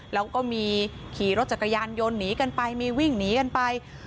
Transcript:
แล้วก็มีขี่รถจักรยานยนต์หนีกันไปมีวิ่งหนีกันไป